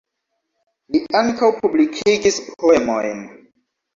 Li ankaŭ publikigis poemojn.